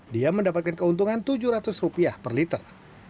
dia mendapatkan keuntungan tujuh ratus per liter